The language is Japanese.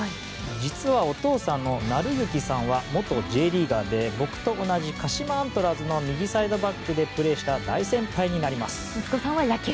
実は、お父さんの就行さんは元Ｊリーガーで僕と同じ鹿島アントラーズの右サイドバックで息子さんは野球。